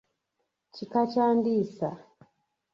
Kika kya Ndiisa.